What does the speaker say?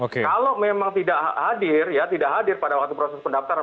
kalau memang tidak hadir ya tidak hadir pada waktu proses pendaftaran